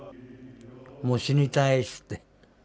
「もう死にたい」つって。